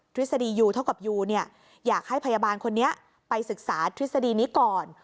ฤษฎียูเท่ากับยูเนี่ยอยากให้พยาบาลคนนี้ไปศึกษาทฤษฎีนี้ก่อน